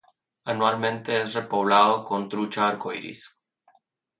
Anualmente es repoblado con trucha arcoíris.